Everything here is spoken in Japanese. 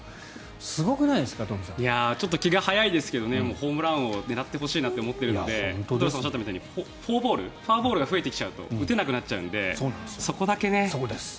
すごくないですか東輝さん。ちょっと気が早いですけどホームラン王を狙ってほしいなと思っているので羽鳥さんがおっしゃったみたいにフォアボールが増えてきちゃうと打てなくなっちゃうのでそこだけね。